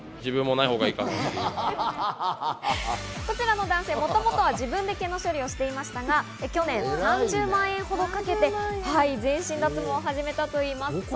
こちらの男性、もともとは自分で毛の処理をしていましたが、去年、３０万円ほどかけて全身脱毛を始めたといいます。